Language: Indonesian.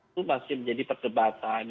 itu masih menjadi perdebatan